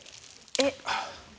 えっ？